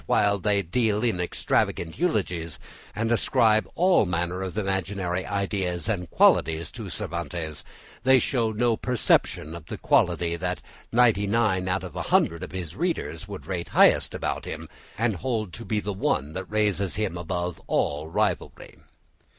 But what strikes one as particularly strange is that while they deal in extravagant eulogies, and ascribe all manner of imaginary ideas and qualities to Cervantes, they show no perception of the quality that ninety nine out of a hundred of his readers would rate highest in him, and hold to be the one that raises him above all rivalry.